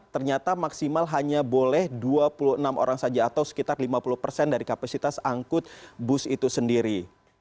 ternyata maksimal hanya boleh dua puluh enam orang saja atau sekitar lima puluh persen dari kapasitas angkut bus itu sendiri